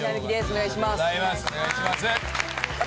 お願いします。